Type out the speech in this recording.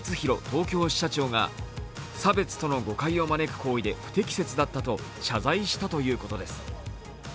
東京支社長が差別との誤解を招く行為で不適切だったと謝罪したということです。